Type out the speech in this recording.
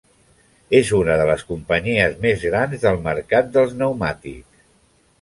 És una de les companyies més grans del mercat dels pneumàtics.